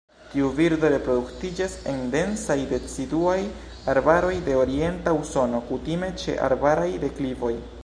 Tiu birdo reproduktiĝas en densaj deciduaj arbaroj de orienta Usono, kutime ĉe arbaraj deklivoj.